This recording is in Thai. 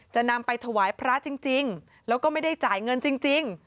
จะนำไปถวายพระจริงแล้วก็ไม่ได้จ่ายเงินจริง